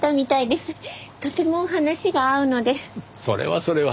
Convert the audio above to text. それはそれは。